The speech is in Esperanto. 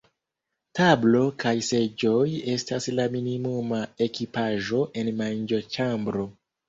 Tablo kaj seĝoj estas la minimuma ekipaĵo en manĝoĉambro.